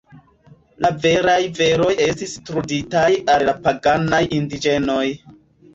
La veraj veroj estis truditaj al la paganaj indiĝenoj.